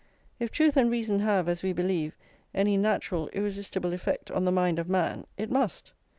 If truth and reason have, as we believe, any natural irresistible effect on the mind of man, it must.